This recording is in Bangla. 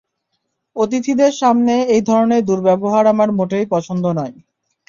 অতিথিদের সামনে এই ধরণের দুর্ব্যবহার আমার মোটেই পছন্দ নয়।